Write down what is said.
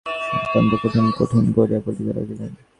ঝির কণ্ঠস্বরে শাশুড়ী আসিয়া অত্যন্ত কঠিন কঠিন করিয়া বলিতে লাগিলেন।